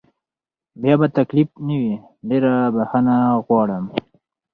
بیا به تکلیف نه وي، ډېره بخښنه غواړم.